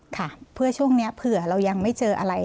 ค่ะเพื่อช่วงนี้เผื่อเรายังไม่เจออะไร